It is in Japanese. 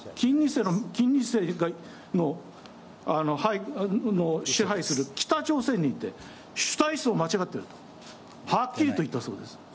金日成の支配する北朝鮮に行って、主体思想は間違っていると、はっきりと言ったそうです。